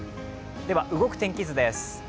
では動く天気図です。